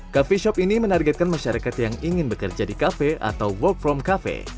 coffee shop ini menargetkan masyarakat yang ingin bekerja di kafe atau work from cafe